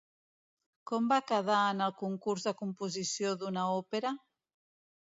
Com va quedar en el concurs de composició d'una òpera?